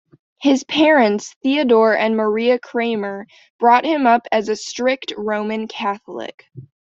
His parents, Theodore and Maria Kramer, brought him up as a "strict Roman Catholic".